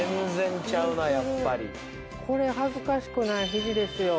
これ恥ずかしくないひじですよ。